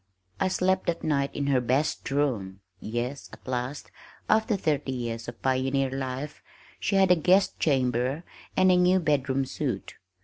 I slept that night in her "best room," yes, at last, after thirty years of pioneer life, she had a guest chamber and a new "bedroom soot."